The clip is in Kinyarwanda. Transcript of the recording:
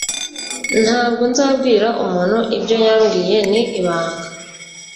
Ntabwo nzabwira umuntu ibyo yambwiye Ni ibanga